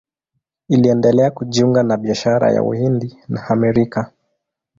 Iliendelea kujiunga na biashara ya Uhindi na Amerika.